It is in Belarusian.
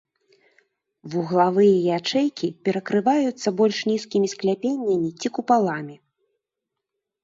Вуглавыя ячэйкі перакрываюцца больш нізкімі скляпеннямі ці купаламі.